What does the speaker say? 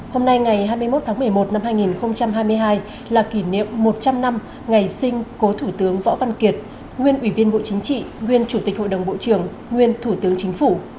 hôm nay ngày hai mươi một tháng một mươi một năm hai nghìn hai mươi hai là kỷ niệm một trăm linh năm ngày sinh cố thủ tướng võ văn kiệt nguyên ủy viên bộ chính trị nguyên chủ tịch hội đồng bộ trưởng nguyên thủ tướng chính phủ